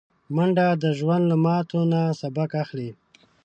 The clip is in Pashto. منډه د ژوند له ماتو نه سبق اخلي